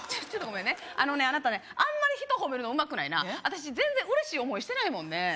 あなたねあんまり人褒めるのうまくないな私全然嬉しい思いしてないもんね